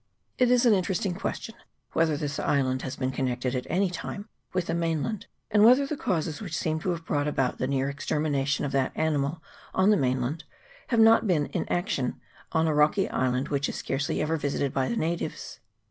It is an inter esting question whether this island has been con nected at any time with the mainland, and whether 1 Hatteria punctata, Gray. 406 NATIVES NEAR TAURANGA. [PART II. the causes which seem to have brought about the near extermination of that animal on the mainland have not been in action on a rocky island which is scarcely ever visited by the natives.